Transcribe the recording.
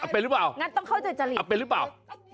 เป็นหรือเปล่างั้นต้องเข้าใจจริตเป็นหรือเปล่า